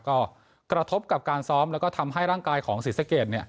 ก็กระทบกับการซ้อมแล้วก็ทำให้ร่างกายของศรีสะเกด